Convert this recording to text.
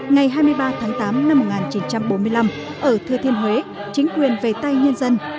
ngày hai mươi ba tháng tám năm một nghìn chín trăm bốn mươi năm ở thừa thiên huế chính quyền về tay nhân dân